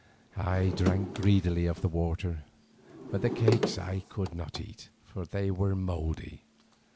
I drank greedily of the water, but the cakes I could not eat, for they were mouldy.